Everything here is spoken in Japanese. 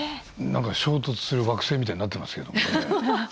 何か衝突する惑星みたいになってますけど。